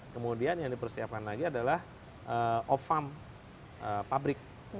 kemudian yang dipersiapkan lagi adalah off farm pabrik